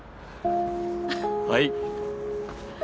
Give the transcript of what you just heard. はい。